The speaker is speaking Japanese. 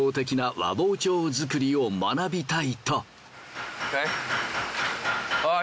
はい。